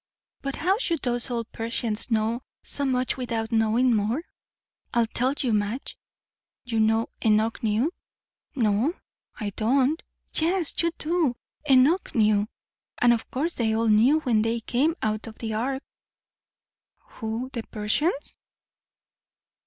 But how should those old Persians know so much, with out knowing more? I'll tell you, Madge! You know, Enoch knew?" "No, I don't." "Yes, you do! Enoch knew. And of course they all knew when they came out of the ark" "Who the Persians?"